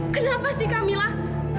kenapa sih kamilah